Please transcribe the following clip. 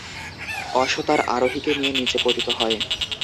অশ্ব তার আরোহীকে নিয়ে নিচে পতিত হয়।